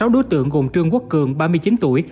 sáu đối tượng gồm trương quốc cường ba mươi chín tuổi